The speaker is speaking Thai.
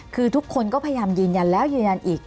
คือทุกคนก็พยายามยืนยันแล้วยืนยันอีก